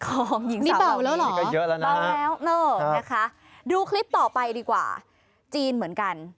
ของหญิงสาวเหล่านี้เบาแล้วนะคะดูคลิปต่อไปดีกว่าจีนเหมือนกัน